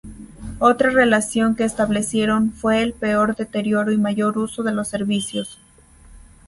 Otra relación que establecieron fue el peor deterioro y mayor uso de los servicios.